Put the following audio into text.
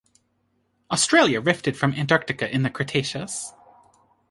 Australia rifted from Antarctica in the Cretaceous.